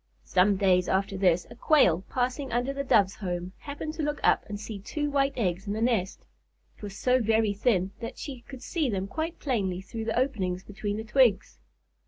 Some days after this, a Quail, passing under the Doves' home, happened to look up and see two white eggs in the nest. It was so very thin that she could see them quite plainly through the openings between the twigs.